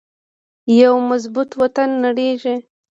یو مضبوط وطن نړیږي